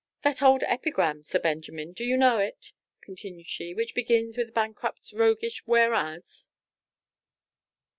That old epigram, Sir Benjamin, do you know it," continued she, "which begins with a bankrupt's roguish 'Whereas?